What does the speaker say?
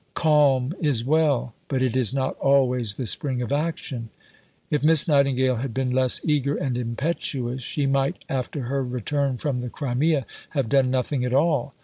Calm is well; but it is not always the spring of action. If Miss Nightingale had been less eager and impetuous, she might, after her return from the Crimea, have done nothing at all.